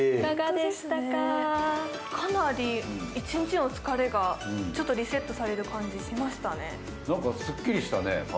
かなり一日の疲れがリセットされる感じしましたね。